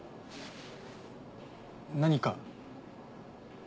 何か？